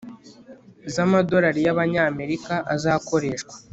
z amadolari y abanyamerika azakoreshwa